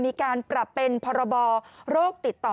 มีการปรับเป็นพรบโรคติดต่อ